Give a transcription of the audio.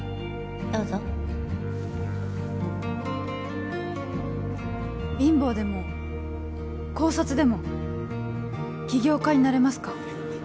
どうぞ貧乏でも高卒でも起業家になれますか？